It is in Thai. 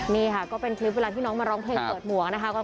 นี่ค่ะก็เป็นคลิปเวลาที่น้องมาร้องเพลงเปิดหมวกนะคะ